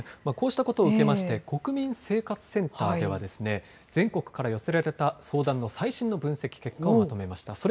こうしたことを受けまして、国民生活センターではですね、全国から寄せられた相談の最新の分析結果をまとめました。